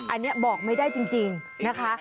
อันนี้บอกไม่ได้จริงนะคะ